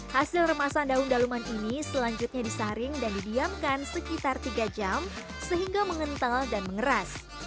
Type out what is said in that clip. hasil remasan daun daluman ini selanjutnya disaring dan didiamkan sekitar tiga jam sehingga mengental dan mengeras